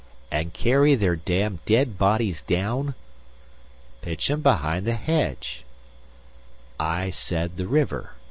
"And carry their damn dead bodies down?" "Pitch 'em behind the hedge." "I said the river.